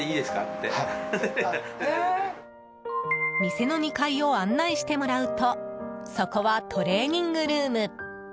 店の２階を案内してもらうとそこは、トレーニングルーム。